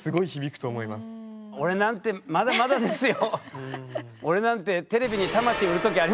俺なんてまだまだですよ。